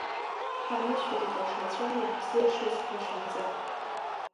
Ҳанышәароуп Ашацәа иаҳзыршаз ҳлахьынҵа.